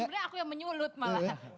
dan sebenernya aku yang menyulut malah